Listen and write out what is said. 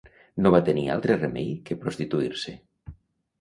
No va tenir altre remei que prostituir-se.